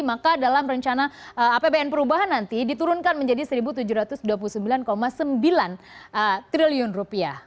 maka dalam rencana apbn perubahan nanti diturunkan menjadi satu tujuh ratus dua puluh sembilan sembilan triliun rupiah